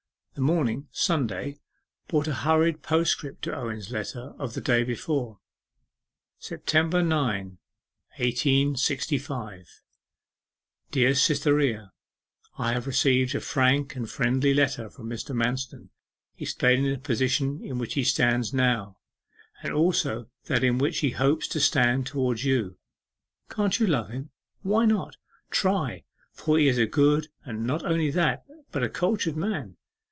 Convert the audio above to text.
The morning (Sunday) brought a hurried postscript to Owen's letter of the day before: 'September 9, 1865. 'DEAR CYTHEREA I have received a frank and friendly letter from Mr. Manston explaining the position in which he stands now, and also that in which he hopes to stand towards you. Can't you love him? Why not? Try, for he is a good, and not only that, but a cultured man.